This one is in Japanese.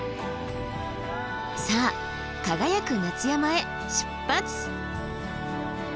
さあ輝く夏山へ出発！